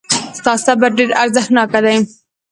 ستا صبر ډېر ارزښتناک دی.